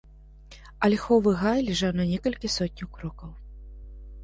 Альховы гай ляжаў на некалькі сотняў крокаў.